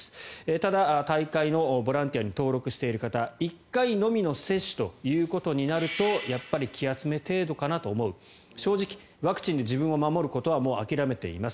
ただ、大会のボランティアに登録している方１回のみの接種となるとやっぱり気休め程度かなと思う正直ワクチンで自分を守ることはもう諦めています。